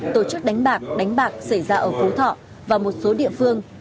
tổ chức đánh bạc đánh bạc xảy ra ở phú thọ và một số địa phương